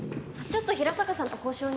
ちょっと平坂さんと交渉に。